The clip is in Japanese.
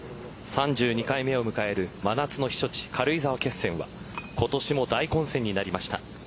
３２回目を迎える真夏の避暑地、軽井沢決戦は今年も大混戦になりました。